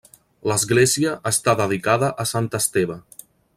L'església està dedicada a sant Esteve.